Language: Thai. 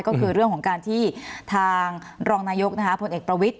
ก็คือเรื่องที่ทางรองนายกพลเอกประวิส